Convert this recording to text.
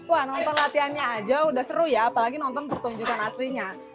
wah nonton latihannya aja udah seru ya apalagi nonton pertunjukan aslinya